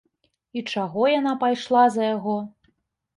І чаго яна пайшла за яго?